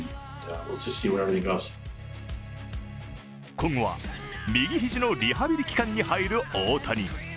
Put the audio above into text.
今後は右肘のリハビリ期間に入る大谷。